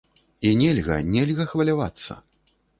І нельга, нельга хвалявацца!